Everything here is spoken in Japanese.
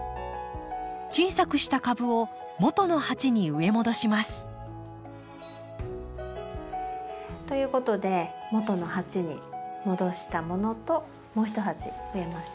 小さくした株を元の鉢に植え戻します。ということで元の鉢に戻したものともう一鉢増えましたね。